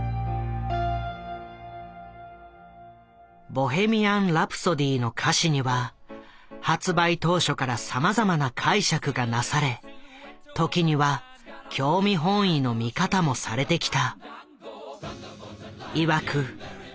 「ボヘミアン・ラプソディ」の歌詞には発売当初からさまざまな解釈がなされ時には興味本位の見方もされてきた。